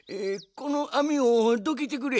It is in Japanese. このあみをどけてくれ。